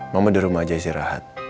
mama di rumah aja isi rahat